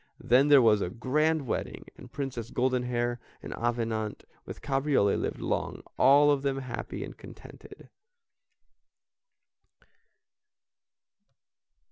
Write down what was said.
Then there was a grand wedding, and Princess Goldenhair and Avenant, with Cabriole, lived long, all of them happy and contented.